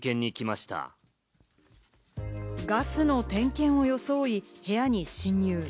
ガスの点検を装い部屋に侵入。